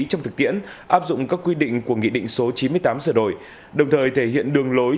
trong thực tiễn áp dụng các quy định của nghị định số chín mươi tám sửa đổi đồng thời thể hiện đường lối